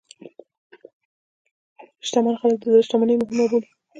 شتمن خلک د زړه شتمني مهمه بولي.